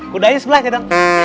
kudanya sebelah gitu